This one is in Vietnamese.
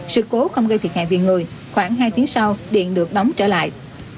sự cố không gây thiệt hại về người khoảng hai tiếng sau điện được đóng trở lại